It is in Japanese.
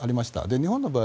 日本の場合